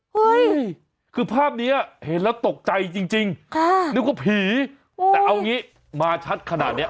เฮ้ยคือภาพนี้เห็นแล้วตกใจจริงค่ะนึกว่าผีแต่เอางี้มาชัดขนาดเนี้ย